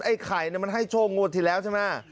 ไอ้ไข่มันให้โชคงวดที่แล้วใช่ไหม